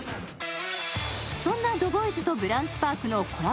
そんなＴＨＥＢＯＹＳとブランチパークのコラボ